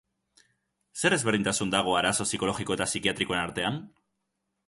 Zer ezberdintasun dago arazo psikologiko eta psikiatrikoaren artean?